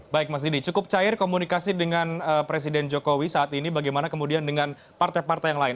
baik mas didi cukup cair komunikasi dengan presiden jokowi saat ini bagaimana kemudian dengan partai partai yang lain